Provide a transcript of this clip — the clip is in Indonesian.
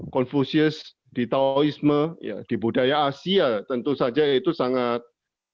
konfusius di taoisme di budaya asia tentu saja itu sangat banyak